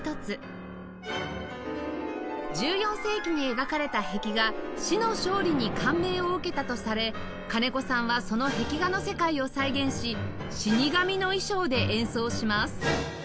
１４世紀に描かれた壁画『死の勝利』に感銘を受けたとされ金子さんはその壁画の世界を再現し死神の衣装で演奏します